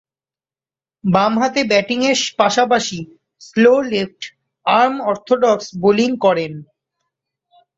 বামহাতে ব্যাটিংয়ের পাশাপাশি slow left arm orthodox bowling করেন।